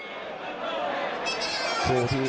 รมกุสแล้วพุทธี